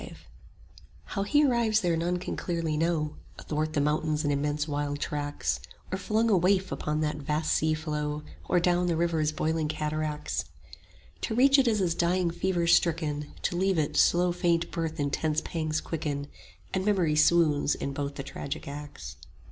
V How he arrives there none can clearly know; Athwart the mountains and immense wild tracts, Or flung a waif upon that vast sea flow, Or down the river's boiling cataracts: To reach it is as dying fever stricken 5 To leave it, slow faint birth intense pangs quicken; And memory swoons in both the tragic acts.